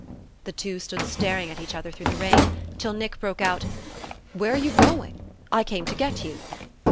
The two stood staring at each other through the rain till Nick broke out: "Where are you going? I came to get you."